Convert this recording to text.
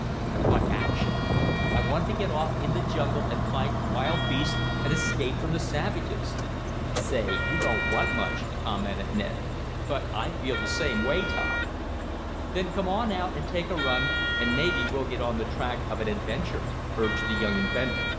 I want action. I want to get off in the jungle, and fight wild beasts, and escape from the savages!" "Say! you don't want much," commented Ned. "But I feel the same way, Tom." "Then come on out and take a run, and maybe we'll get on the track of an adventure," urged the young inventor.